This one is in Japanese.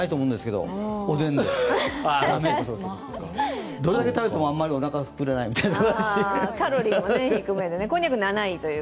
どれだけ食べてもあまりおなかが膨れないという。